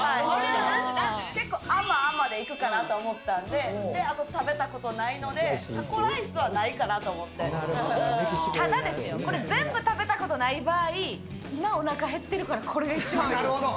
結構、甘甘でいくかなと思ったんで、あと、食べたことないので、タコライスはないかなと思っただですよ、これ全部食べたことない場合、今、なるほど。